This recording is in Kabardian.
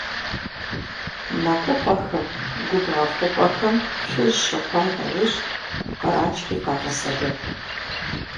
Мэкъупӏэхэм, губгъуэ хъупӏэхэм плъыжь щыхъуа нэужь кърачри къагъэсэбэп.